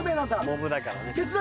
モブだからね。